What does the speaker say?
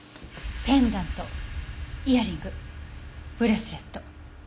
ペンダントイヤリングブレスレット。